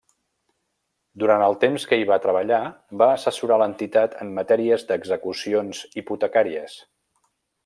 Durant el temps que hi va treballar va assessorar l'entitat en matèries d'execucions hipotecàries.